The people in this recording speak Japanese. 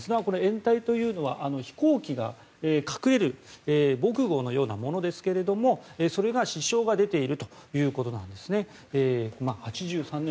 掩体というのは飛行機が隠れる防空壕のようなものですけれどもそれが支障が出ているということなんですね。